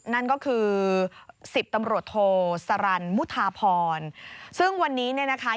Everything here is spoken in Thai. นั่นก็คือสิบตำรวจโทสรรมุทาพรซึ่งวันนี้เนี่ยนะคะ